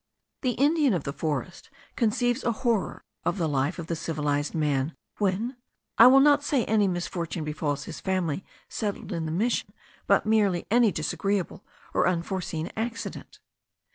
The Indian of the forest conceives a horror of the life of the civilized man, when, I will not say any misfortune befalls his family settled in the mission, but merely any disagreeable or unforeseen accident.